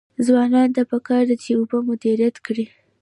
ځوانانو ته پکار ده چې، اوبه مدیریت کړي.